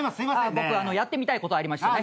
僕やってみたいことありまして。